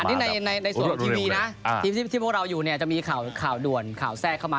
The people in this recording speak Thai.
อันนี้ในส่วนของทีวีนะทีมที่พวกเราอยู่เนี่ยจะมีข่าวด่วนข่าวแทรกเข้ามา